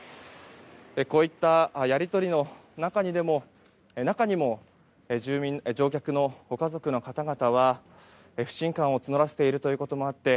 こういったやり取りの中にも乗客のご家族の方々は不信感を募らせているということもあって